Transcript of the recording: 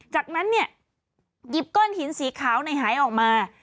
จากนั้นเนี่ยหยิบก้อนหินสีขาวในหายออกมา